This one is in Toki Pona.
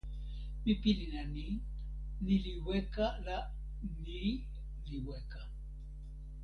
mi pilin e ni: ni li weka la ni li weka.